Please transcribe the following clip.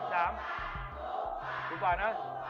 ถูกกว่านะ